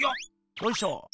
よいしょ！